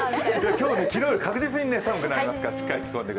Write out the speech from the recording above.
今日は昨日より確実に寒くなりますから。